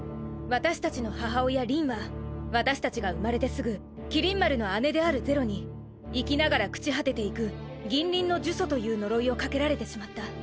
私達の母親りんは私達が生まれてすぐ麒麟丸の姉である是露に生きながら朽ち果てていく銀鱗の呪詛という呪いをかけられてしまった。